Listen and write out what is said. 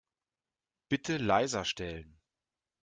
Bitte leiser stellen.